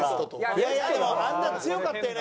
いやいやでもあんな強かったよね